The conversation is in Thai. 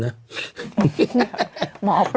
ห๊ะห้ะหมอพร่อม